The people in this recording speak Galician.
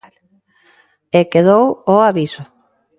E quedou o aviso.